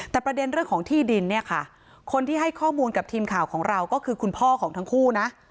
แต่ประเด็นเรื่องของที่ดินเนี่ยค่ะคนที่ให้ข้อมูลกับทีมข่าวของเราก็คือคุณพ่อของทั้งคู่นะ